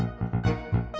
emanya udah pulang kok